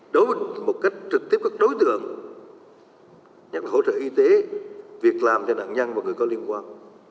đối với một cách trực tiếp các đối tượng nhận hỗ trợ y tế việc làm cho nạn nhân và người có liên quan